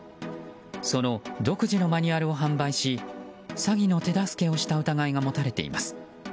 その独自のマニュアルを販売し詐欺の手助けをした疑いが持たれています。